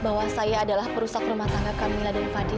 bahwa saya adalah perusahaan rumah tangga kamila dan fadil